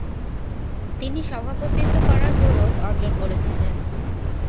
তিনি সভাপতিত্ব করার গৌরব অর্জন করেছিলেন।